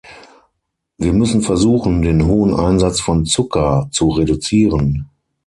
Wir müssen versuchen, den hohen Einsatz von Zucker zu reduzieren.